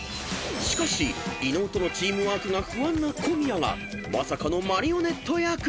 ［しかし伊野尾とのチームワークが不安な小宮がまさかのマリオネット役］